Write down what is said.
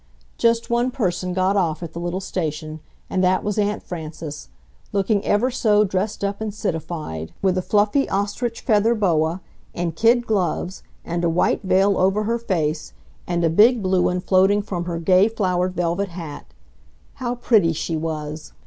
Just one person got off at the little station, and that was Aunt Frances, looking ever so dressed up and citified, with a fluffy ostrich feather boa and kid gloves and a white veil over her face and a big blue one floating from her gay flowered velvet hat. How pretty she was!